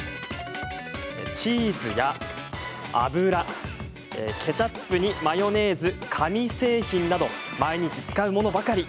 チーズや油、ケチャップにマヨネーズ、紙製品など毎日使うものばかり。